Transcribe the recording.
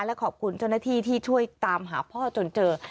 และขอบคุณเจ้าหน้าที่ที่ช่วยตามหาพ่อจนเจอ